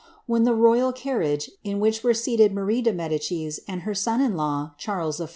When the royal carriage, in which were seated Marie de Medicis and her son in law, Charles I.